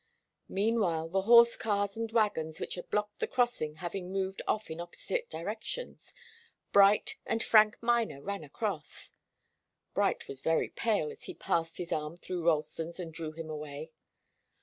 Meanwhile the horse cars and wagons which had blocked the crossing having moved off in opposite directions, Bright and Frank Miner ran across. Bright was very pale as he passed his arm through Ralston's and drew him away.